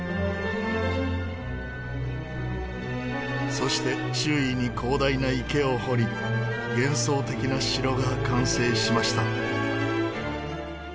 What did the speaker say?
そして周囲に広大な池を掘り幻想的な城が完成しました。